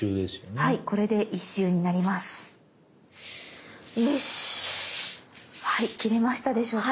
はい切れましたでしょうか。